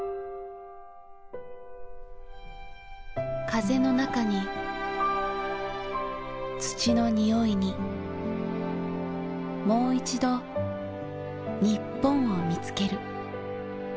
風の中に土の匂いにもういちど日本を見つける。